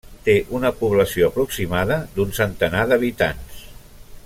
Té una població aproximada d'un centenar d'habitants.